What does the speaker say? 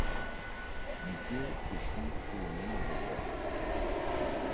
Mickey échoue sur une île déserte.